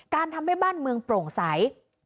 ทำให้บ้านเมืองโปร่งใส